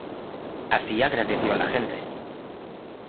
Así agradeció la gente.